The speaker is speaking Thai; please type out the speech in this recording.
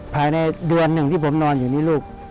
ภายในเดือนหนึ่งที่ผมนอนอยู่นี่ลูก